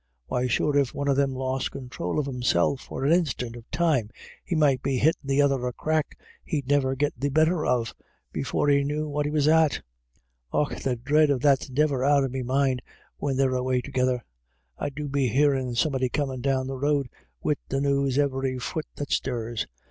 Why sure, if one of them lost control of himself for an instiant of time, he might be hittin' the other a crack he'd niver git the better of, before he knew what he was at Och, the dread of that's niver out of me mind, when they're away togither. I do be hearin' somebody comin' down the road wid the news every fut that stirs.